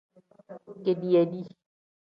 Kediiya dii.